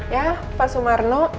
ya pak sumarno